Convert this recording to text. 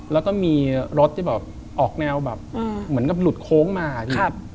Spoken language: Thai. แล้วก็มีรถที่แบบออกแนวแบบเหมือนกับหลุดโค้งมาพี่